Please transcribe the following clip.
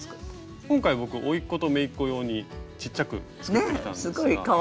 今回僕おいっ子とめいっ子用にちっちゃく作ってきたんですが。